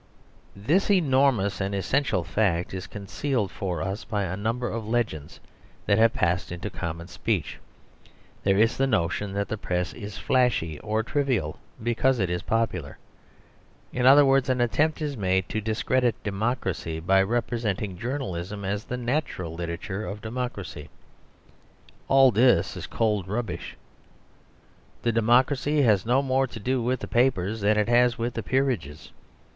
This enormous and essential fact is concealed for us by a number of legends that have passed into common speech. There is the notion that the Press is flashy or trivial because it is popular. In other words, an attempt is made to discredit democracy by representing journalism as the natural literature of democracy. All this is cold rubbish. The democracy has no more to do with the papers than it has with the peerages.